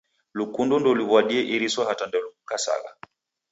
Llukundo ndeluw'adie iriso hata ndelukukasagha.